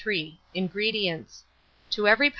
INGREDIENTS. To every lb.